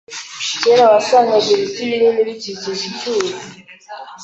Kera wasangaga ibiti binini bikikije icyuzi.